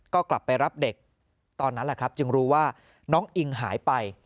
ก็กลับไปรับเด็กตอนนั้นแหละครับจึงรู้ว่าน้องอิงหายไป